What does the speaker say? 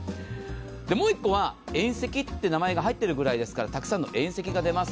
もう一個は遠赤という名前が入っているぐらいですからたくさんの遠赤が出ます。